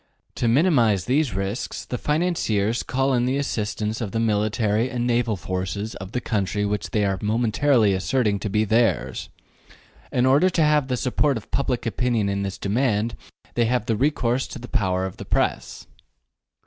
To minimize these risks the financiers call in the assistance of the military and naval forces of the country which they are momentarily asserting to be theirs. In order to have the support of public opinion in this demand they have recourse to the power of the Press.